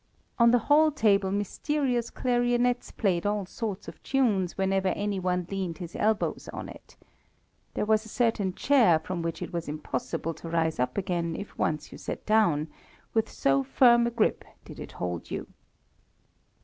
On the hall table mysterious clarionettes played all sorts of tunes whenever any one leaned his elbows on it. There was a certain chair from which it was impossible to rise up again if once you sat down again, with so firm a grip did it hold you.